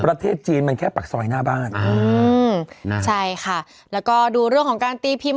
ประเทศจีนมันแค่ปากซอยหน้าบ้านอืมนะใช่ค่ะแล้วก็ดูเรื่องของการตีพิมพ์